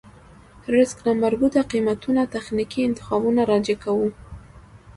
ريسک نامربوطه قېمتونه تخنيکي انتخابونو راجع کوو.